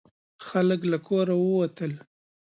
خلک له کوره ووتل.